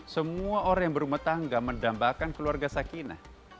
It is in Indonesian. semua orang yang berumah tangga mendambakan keluarga sakinah